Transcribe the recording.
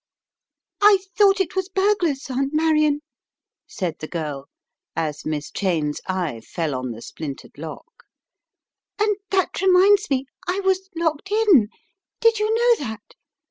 "I thought it was burglars, Aunt Marion," said the girl, as Miss Cheyne's eye fell on the splintered lock, "and that reminds me, I was locked in Did you know that?